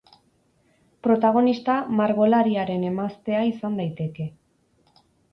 Protagonista margolariaren emaztea izan daiteke.